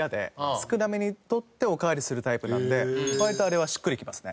少なめに取っておかわりするタイプなので割とあれはしっくりきますね。